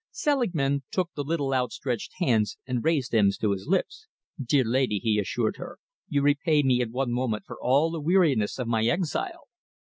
Selingman took the little outstretched hands and raised them to his lips. "Dear lady," he assured her, "you repay me in one moment for all the weariness of my exile."